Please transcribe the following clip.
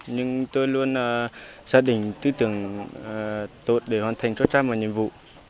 nhưng tôi luôn xác định tư tưởng tốt để hoàn thành chốt trách và nhiệm vụ